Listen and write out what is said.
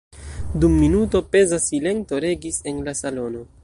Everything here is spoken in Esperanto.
Dum minuto peza silento regis en la salono.